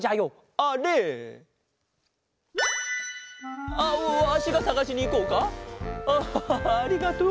ああありがとう。